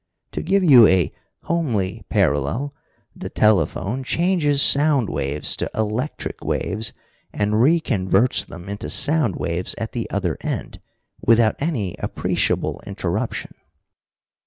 To give you a homely parallel, the telephone changes sound waves to electric waves, and re converts them into sound waves at the other end, without any appreciable interruption."